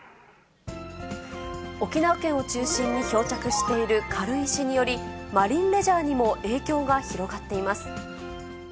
沖縄県を中心に漂着している軽石により、マリンレジャーにも影響が広がっています。